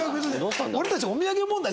俺たちお土産問題